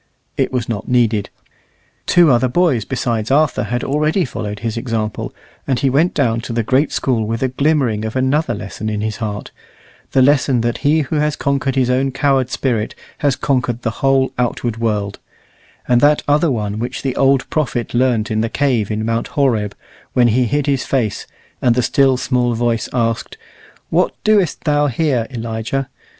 It was not needed: two other boys besides Arthur had already followed his example, and he went down to the great School with a glimmering of another lesson in his heart the lesson that he who has conquered his own coward spirit has conquered the whole outward world; and that other one which the old prophet learnt in the cave in Mount Horeb, when he hid his face, and the still, small voice asked, "What doest thou here, Elijah?"